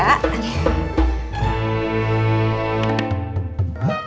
sampai jumpa lagi